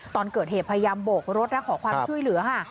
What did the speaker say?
ตอนเกิดเหตุพยายามโบกรถและขอความช่วยเหลือค่ะ